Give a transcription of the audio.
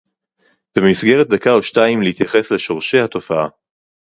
ובמסגרת דקה או שתיים להתייחס לשורשי התופעה